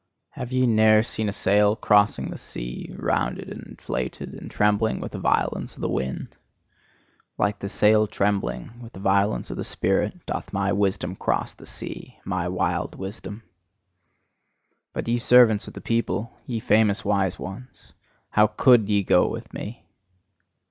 Have ye ne'er seen a sail crossing the sea, rounded and inflated, and trembling with the violence of the wind? Like the sail trembling with the violence of the spirit, doth my wisdom cross the sea my wild wisdom! But ye servants of the people, ye famous wise ones how COULD ye go with me!